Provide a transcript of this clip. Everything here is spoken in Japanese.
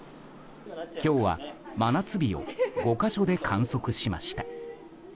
今日は真夏日を５か所で観測しました。